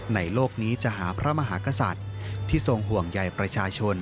โลกนี้จะหาพระมหากษัตริย์ที่ทรงห่วงใหญ่ประชาชน